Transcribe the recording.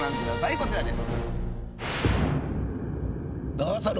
こちらです。